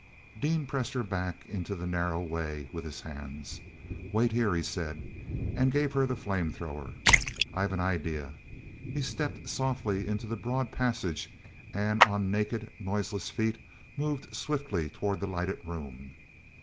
Dean pressed her back into the narrow way with his hands. "Wait here!" he said, and gave her the flame thrower. "I've an idea!" He stepped softly out into the broad passage and on naked, noiseless feet, moved swiftly toward the lighted room.